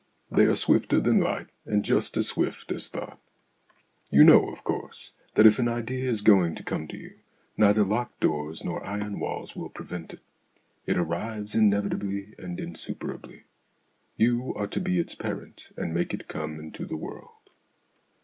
They are swifter than light, and just as swift as thought. You know, of course, that if an idea is going to come to you, neither locked doors nor iron walls will prevent it ; it arrives inevitably and insuper ably ; you are to be its parent and make it come into the world.